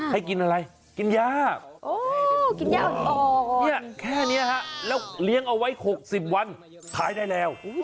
ให้กินอะไรกินยาแค่เนี่ยครับแล้วเลี้ยงเอาไว้๖๐วันขายได้แล้ว